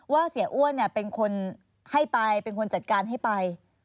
เสียอ้วนเป็นคนให้ไปเป็นคนจัดการให้ไป